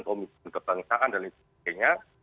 komitmen kebangsaan dan lain sebagainya